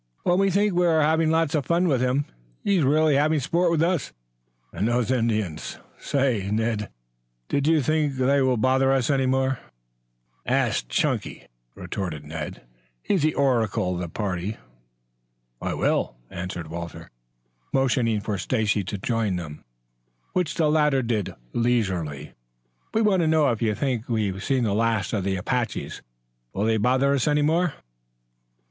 When we think we are having lots of fun with him he's really having sport with us. And those Indians say, Ned, do you think they will bother us any more?" "Ask Chunky," retorted Ned. "He's the oracle of the party." "I will," answered Walter, motioning for Stacy to join them, which the latter did leisurely. "We want to know if you think we've seen the last of the Apaches? Will they bother us any more?"